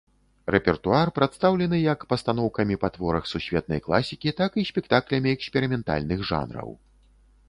Рэпертуар прадстаўлены як пастаноўкамі па творах сусветнай класікі, так і спектаклямі эксперыментальных жанраў.